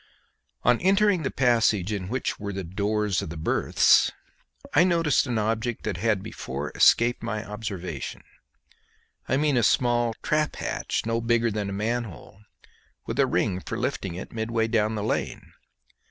On entering the passage in which were the doors of the berths, I noticed an object that had before escaped my observation I mean a small trap hatch, no bigger than a manhole, with a ring for lifting it, midway down the lane.